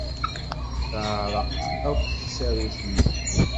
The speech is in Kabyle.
Teɛreq akk tsarut-nni.